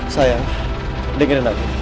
sayang dengerin aku